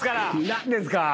何ですか？